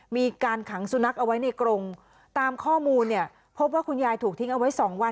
มีการขังสุนัขเอาไว้ในกรงตามข้อมูลเนี่ยพบว่าคุณยายถูกทิ้งเอาไว้สองวัน